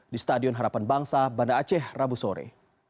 di stadion harapan bangsa banda aceh rabu sore